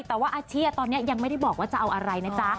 แต่ว่าอาชีพตอนนี้ยังไม่ได้บอกว่าจะเอาอะไรนะจ๊ะ